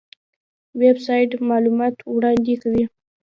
ویب سایټ معلومات وړاندې کوي